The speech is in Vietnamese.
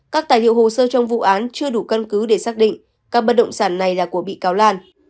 các tài liệu hồ sơ trong vụ án chưa đủ căn cứ để xác định các bất động sản này là của bị cáo lan